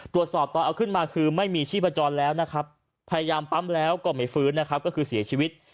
ตรวจสอบตอนเอาขึ้นมาคือไม่มีชีพจรแล้วพยายามปั๊มแล้วก็ไม่ฟื้นก็คือเสียชีวิต